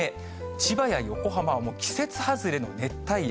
千葉や横浜、季節外れの熱帯夜。